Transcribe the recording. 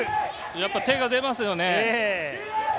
やっぱり手が出ますよね。